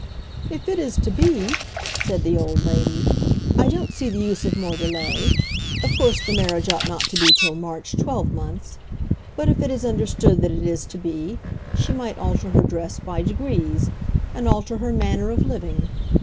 "If it is to be," said the old lady, "I don't see the use of more delay. Of course the marriage ought not to be till March twelvemonths. But if it is understood that it is to be, she might alter her dress by degrees, and alter her manner of living.